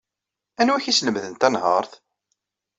Anwa ay ak-yeslemden tanhaṛt?